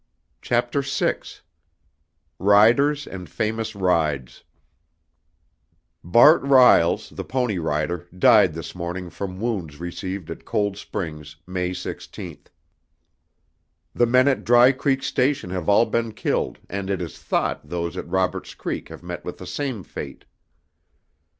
Chapter VI Riders and Famous Rides Bart Riles, the pony rider, died this morning from wounds received at Cold Springs, May 16. The men at Dry Creek Station have all been killed and it is thought those at Robert's Creek have met with the same fate.